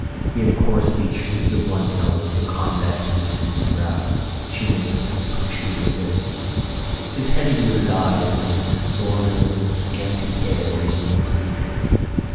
He had coarse features, a blunt nose, a convex and receding brow, tumid and protruded lips. His heavy lidded eyes and the disorder of his scanty hair made him look sleepy.